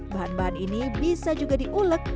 bahan bahan ini bisa juga diulek